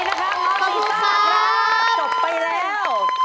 รักคุณจะยิ่งกว่าใครขอบคุณครับ